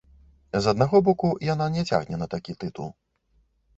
З аднаго боку, яна не цягне на такі тытул.